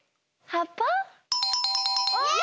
はっぱ？